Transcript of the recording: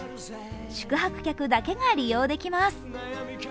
宿泊者だけが利用できます。